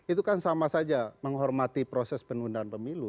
itu kan sama saja menghormati proses penundaan pemilu